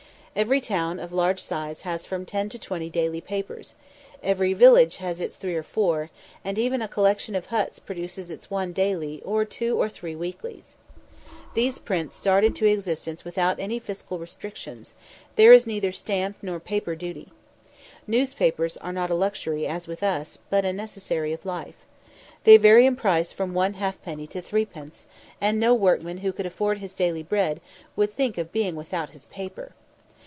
Every town of large size has from ten to twenty daily papers; every village has its three or four; and even a collection of huts produces its one "daily," or two or three "weeklies." These prints start into existence without any fiscal restrictions: there is neither stamp nor paper duty. Newspapers are not a luxury, as with us, but a necessary of life. They vary in price from one halfpenny to threepence, and no workman who could afford his daily bread would think of being without his paper.